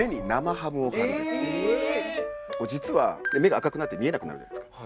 実は目が赤くなって見えなくなるじゃないですか。